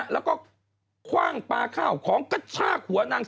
แล้วก็คว่างปลาข้าวของกระชากหัวนาง